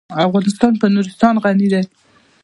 افغانستان په نورستان غني دی.